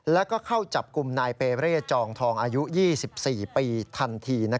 แล้วก็เข้าจับกลุ่มนายเปเร่จองทองอายุ๒๔ปีทันที